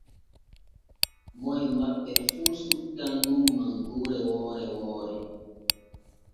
Moy maɓɓe fu suttan nun mangoore woore woore.